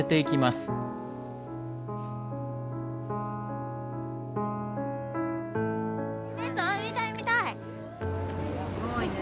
すごいね。